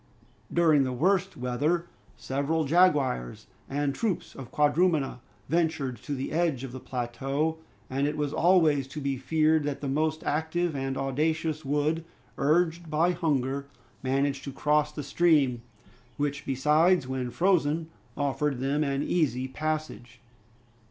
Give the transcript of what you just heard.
During the worst weather, several jaguars and troops of quadrumana ventured to the edge of the plateau, and it was always to be feared that the most active and audacious would, urged by hunger, manage to cross the stream, which besides, when frozen, offered them an easy passage.